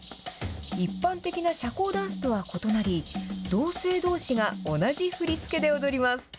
一般的な社交ダンスとは異なり同性どうしが同じ振り付けで踊ります。